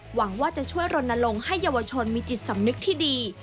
หวังว่าจะช่วยรณรงค์ให้เยาวชนมีจิตสำนึกที่ดี